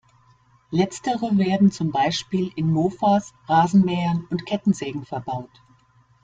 Letztere werden zum Beispiel in Mofas, Rasenmähern und Kettensägen verbaut.